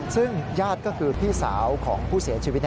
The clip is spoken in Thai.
ซึ่งญาติก็คือพี่สาวของผู้เสียชีวิต